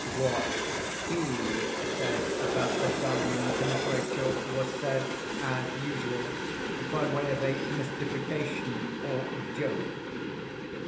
What he said about the Diamond to Miss Rachel was said, as usual, by way of a mystification or joke.